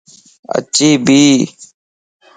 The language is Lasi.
اڇي ڀي